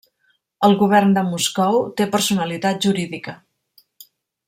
El Govern de Moscou té personalitat jurídica.